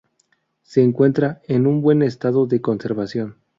Se encuentra en un buen estado de conservación.